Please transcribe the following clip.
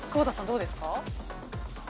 どうですか？